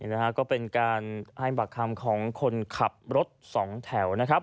นะฮะก็เป็นการให้ปากคำของคนขับรถสองแถวนะครับ